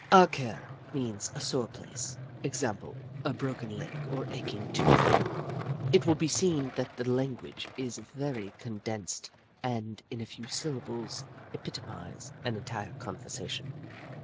Ah Ker means a sore place. Example, a broken leg or aching tooth. It will be seen that the language is very condensed and in a few syllables may epitomise an entire conversation.